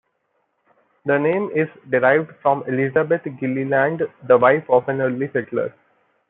The name is derived from Elizabeth Gilliland, the wife of an early settler.